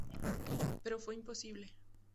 Pero fue imposible.